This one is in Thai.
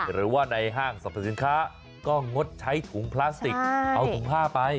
หรือว่าในห้างสรรพสินค้าก็งดใช้ถุงพลาสติกเอาถุงผ้าไป